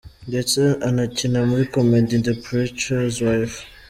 Ndetse anakina muri comedie, The Preacher's Wife.